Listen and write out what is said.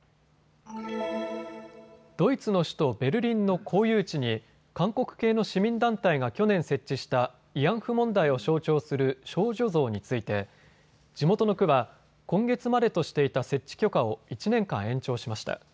ドイツの首都ベルリンの公有地に韓国系の市民団体が去年設置した慰安婦問題を象徴する少女像について地元の区は今月までとしていた設置許可を１年間延長しました。